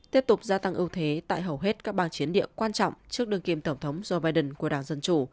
tiếp tục gia tăng ưu thế tại hầu hết các bang chiến địa quan trọng trước đương kim tổng thống joe biden của đảng dân chủ